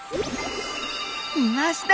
いました！